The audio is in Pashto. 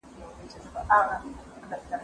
ما پرون د سبا لپاره د هنرونو تمرين وکړ!.